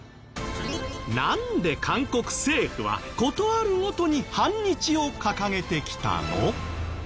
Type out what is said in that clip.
なんで韓国政府は事あるごとに反日を掲げてきたの？